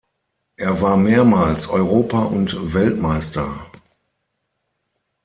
Er war mehrmals Europa- und Weltmeister.